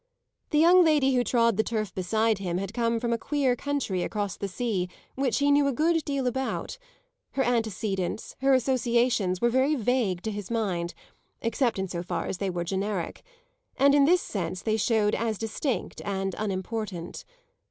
The young lady who trod the turf beside him had come from a queer country across the sea which he knew a good deal about; her antecedents, her associations were very vague to his mind except in so far as they were generic, and in this sense they showed as distinct and unimportant.